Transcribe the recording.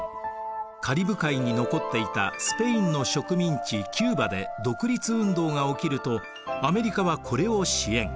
カリブ海に残っていたスペインの植民地キューバで独立運動が起きるとアメリカはこれを支援。